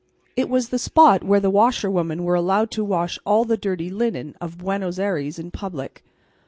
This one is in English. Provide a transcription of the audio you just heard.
It was the spot where the washerwomen were allowed to wash all the dirty linen of Buenos Ayres in public.